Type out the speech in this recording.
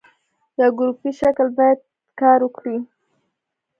په ګروپي شکل باید کار وکړي.